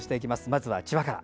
まずは、千葉から。